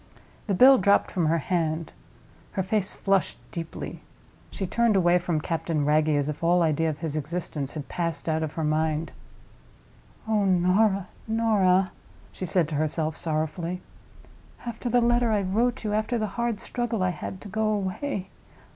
The bill dropped from her hand; her face flushed deeply. She turned away from Captain Wragge, as if all idea of his existence had passed out of her mind. "Oh, Norah, Norah!" she said to herself, sorrowfully. "After the letter I wrote you—after the hard struggle I had to go away!